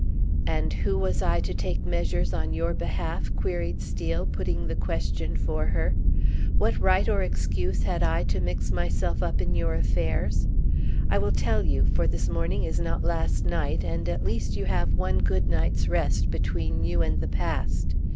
"And who was I to take measures on your behalf?" queried Steel, putting the question for her. "What right or excuse had I to mix myself up in your affairs? I will tell you, for this morning is not last night, and at least you have one good night's rest between you and the past.